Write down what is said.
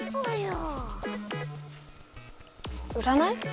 うらない？